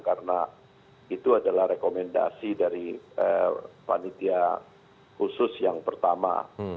karena itu adalah rekomendasi dari vanitia khusus yang pertama